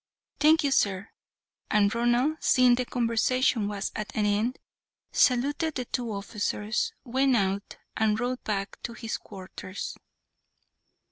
"Thank you, sir," and Ronald, seeing the conversation was at an end, saluted to the two officers, went out, and rode back to his quarters.